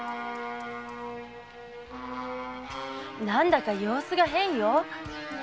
何だか様子が変よ。